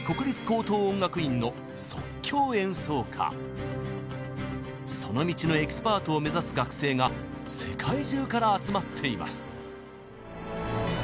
名門その道のエキスパートを目指す学生が世界中から集まっています。